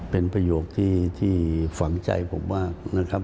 เป็นประโยคที่ฝังใจผมมากนะครับ